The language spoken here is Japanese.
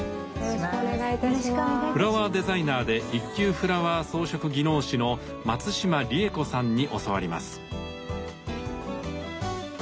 フラワーデザイナーで一級フラワー装飾技能士の松島理恵子さんに教わります。